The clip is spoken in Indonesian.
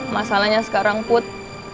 masalahnya sekarang put